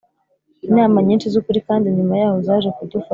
Inama nyinshi z ukuri kandi nyuma yaho zaje kudufasha